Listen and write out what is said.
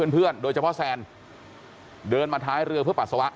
โดยเฉพาะแซนเดินมาท้ายเรือเพื่อปัสสาวะ